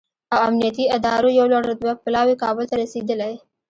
او امنیتي ادارو یو لوړ رتبه پلاوی کابل ته رسېدلی